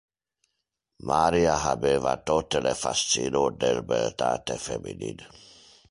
Maria habeva tote le le fascino del beltate feminin.